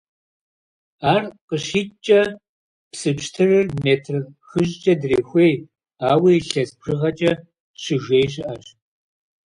Ар къыщикӀкӀэ, псы пщтырыр метр хыщӏкӀэ дрехуей, ауэ илъэс бжыгъэкӀэ «щыжеи» щыӀэщ.